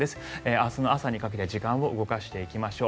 明日の朝にかけて時間を動かしていきましょう。